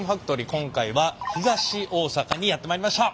今回は東大阪にやって参りました！